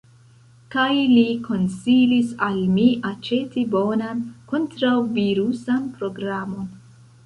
Kaj li konsilis al mi aĉeti bonan kontraŭvirusan programon.